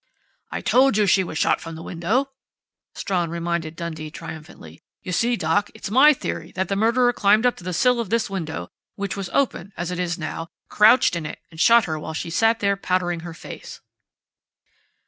"I told you she was shot from the window!" Strawn reminded Dundee triumphantly. "You see, doc, it's my theory that the murderer climbed up to the sill of this window, which was open as it is now, crouched in it, and shot her while she sat there powdering her face."